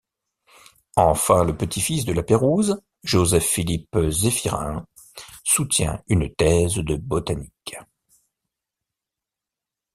Enfin le petit-fils de Lapeyrouse, Joseph-Philippe-Zéphirin, soutient une thèse de botanique.